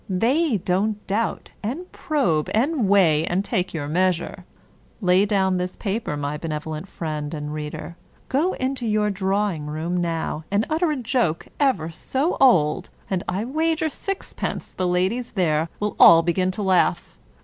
They don't doubt, and probe, and weigh, and take your measure. Lay down this paper, my benevolent friend and reader, go into your drawing room now, and utter a joke ever so old, and I wager sixpence the ladies there will all begin to laugh.